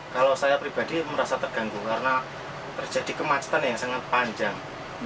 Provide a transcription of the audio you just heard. kalau saya pribadi merasa terganggu karena terjadi kemacetan yang sangat panjang